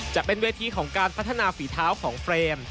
จะเป็นเวทีของการพัฒนาฝีเท้าของเฟรม